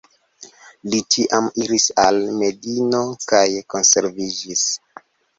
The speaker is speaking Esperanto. Li tiam iris al Medino kaj konvertiĝis..